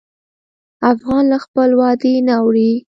افغان له خپل وعدې نه اوړي.